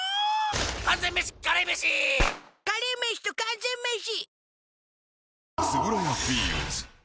完全メシカレーメシカレーメシと完全メシ